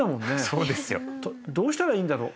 そうですよ。どうしたらいいんだろう？